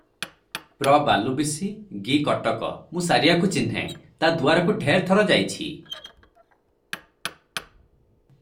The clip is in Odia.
ପ୍ର ବାଲୁବିଶି ଗି କଟକ - ମୁଁ ସାରିଆକୁ ଚିହ୍ନେ, ତା ଦୁଆରକୁ ଢେର ଥର ଯାଇଛି ।